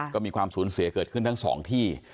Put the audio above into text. ก็มีความสูญเสียเกิดขึ้นทั้งสองที่